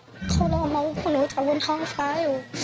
เขารอมาว่าพวกหนูจะรวมท้องฟ้าอยู่หนูก็หวังว่ามันท้องฟ้าจะดูแลพวกเขาดี